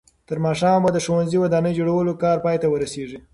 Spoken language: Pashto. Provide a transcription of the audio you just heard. تر ماښامه به د ښوونځي د ودانۍ جوړولو کار پای ته ورسېږي.